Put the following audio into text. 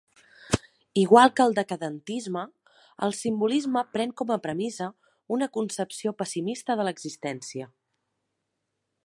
Igual que el decadentisme, el simbolisme pren com a premissa una concepció pessimista de l'existència.